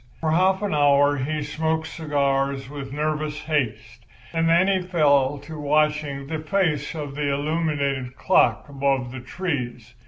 For half an hour he smoked cigars with nervous haste, and then he fell to watching the face of the illuminated clock above the trees.